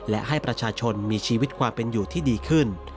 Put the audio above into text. และให้ประชาชนมีชีวิตความเป็นอยู่ที่ดีขึ้น